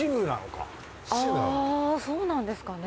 あぁそうなんですかね。